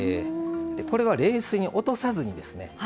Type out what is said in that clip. これは冷水に落とさずにですね